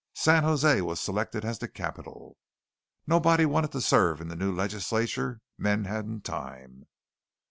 San José was selected as the capital. Nobody wanted to serve in the new legislature; men hadn't time.